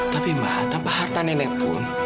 tapi maha tanpa harta nenek pun